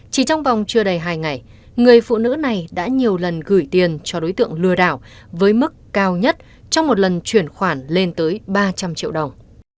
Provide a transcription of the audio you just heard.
chỉ trong vòng chưa đầy hai ngày người phụ nữ này đã nhiều lần gửi tiền cho đối tượng lừa đảo với mức cao nhất trong một lần chuyển khoản lên tới ba trăm linh triệu đồng